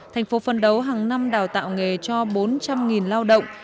thành phố phân đấu hàng năm đào tạo nghề cho bốn trăm linh lao động